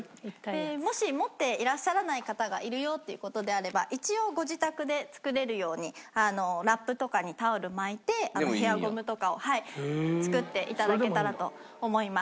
もし持っていらっしゃらない方がいるよっていう事であれば一応ご自宅で作れるようにラップとかにタオル巻いてヘアゴムとかを作っていただけたらと思います。